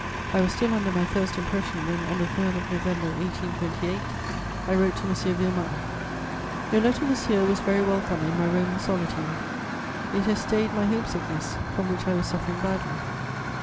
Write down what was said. I was still under my first impression when, on the 3rd of November 1828, I wrote to M. Villemain: "Your letter, monsieur, was very welcome in my Roman solitude: it has stayed my home sickness, from which I was suffering badly.